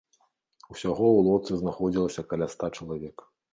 Усяго ў лодцы знаходзілася каля ста чалавек.